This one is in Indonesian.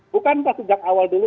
bukan pas sejak awal dulu